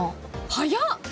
早っ！